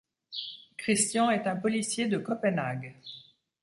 Christian est un policier de Copenhague.